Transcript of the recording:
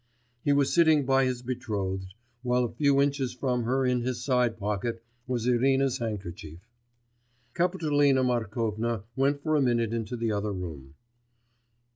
He was sitting by his betrothed, while a few inches from her in his side pocket, was Irina's handkerchief. Kapitolina Markovna went for a minute into the other room.